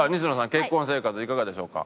結婚生活いかがでしょうか？